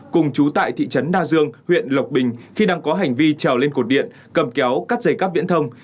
cùng chú tại thị trấn na dương huyện lộc bình khi đang có hành vi trèo lên cột điện cầm kéo cắt dây cắp viễn thông